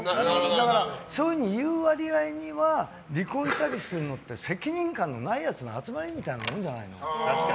だからそういうふうに言う割には離婚したりするのって責任感のないやつの集まりみたいなものじゃないの。